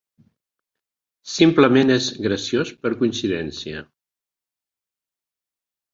Simplement és graciós per coincidència.